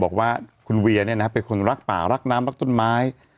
บอกว่าคุณเวียเป็นคนรักป่ารักน้ำรักต้นไม้